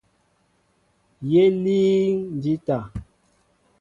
Yé líŋ jíta.